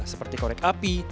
seperti korek api